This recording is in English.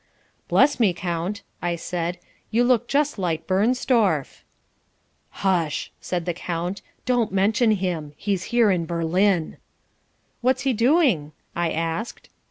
"Bless me, Count," I said, "you look just like Bernstorff." "Hush," said the count. "Don't mention him. He's here in Berlin." "What's he doing?" I asked.